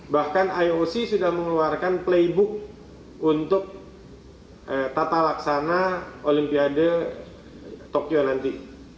bahkan ioc sudah mengeluarkan playbook untuk tata laksana olimpiade tokyo nanti